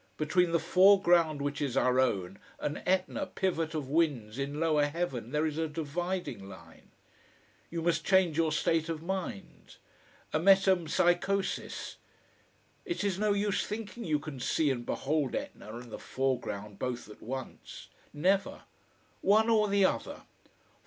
Between the foreground, which is our own, and Etna, pivot of winds in lower heaven, there is a dividing line. You must change your state of mind. A metempsychosis. It is no use thinking you can see and behold Etna and the foreground both at once. Never. One or the other.